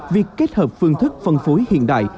việc kết hợp phương thức phân phối hiện đại